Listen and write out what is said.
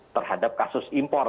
terhadap kasus impor